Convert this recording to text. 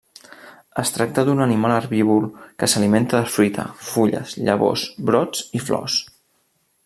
Es tracta d'un animal herbívor que s'alimenta de fruita, fulles, llavors, brots i flors.